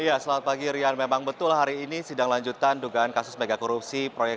iya selamat pagi rian memang betul hari ini sidang lanjutan dugaan kasus megakorupsi proyek